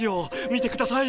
見てください。